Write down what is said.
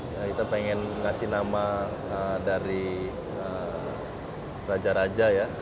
ya kita pengen ngasih nama dari raja raja ya